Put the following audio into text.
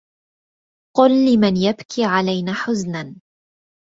قل لمن يبكي علينا حزنا